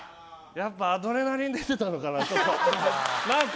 やっぱアドレナリン出てたのかな、今日。